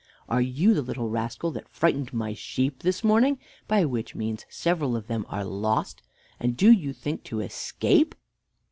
are you the little rascal that frightened my sheep this morning, by which means several of them are lost? and do you think to escape?"